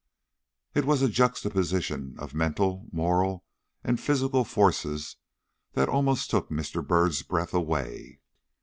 It was a juxtaposition of mental, moral, and physical forces that almost took Mr. Byrd's breath away.